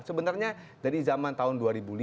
sebenarnya dari zaman tahun dua ribu lima